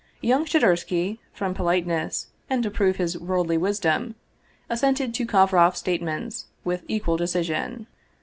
Young Shadursky, from politeness, and to prove his worldly wisdom, assented to Kovroff's statements with equal decision.